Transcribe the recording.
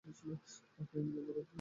আপনি কিরূপ মনে করেন?